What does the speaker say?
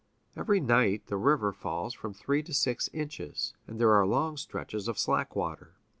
Every night the river falls from three to six inches, and there are long stretches of slack water.